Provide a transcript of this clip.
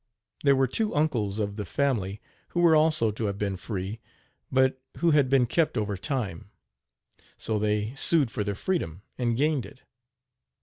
There were two uncles of the family who were also to have been free, but who had been kept over time; so they sued for their freedom, and gained it.